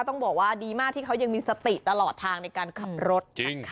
ต้องบอกว่าดีมากที่เขายังมีสติตลอดทางในการขับรถจริงค่ะ